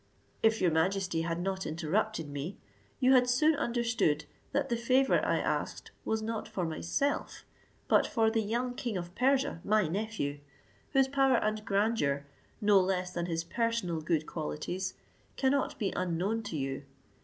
If your majesty had not interrupted me, you had soon understood that the favour I asked was not for myself, but for the young king of Persia my nephew, whose power and grandeur, no less than his personal good qualities, cannot be unknown to you.